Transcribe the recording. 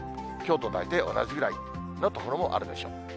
きょうと大体同じぐらいの所もあるでしょう。